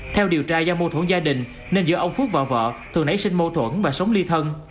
theo điều tra do mô thuẫn gia đình nên giữa ông phước vợ vợ thường nãy sinh mô thuẫn và sống ly thân